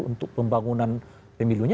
untuk pembangunan pemilunya